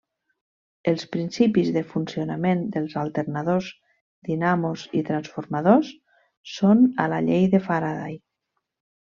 Els principis del funcionament dels alternadors, dinamos i transformadors són a la llei de Faraday.